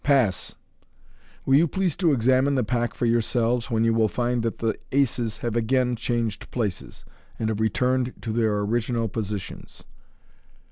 Pass ! Will you please to examine the pack for yourselves, when you will find that the aces have again changed places., and have returned to their original positions."